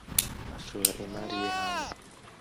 ashora imari ye hanze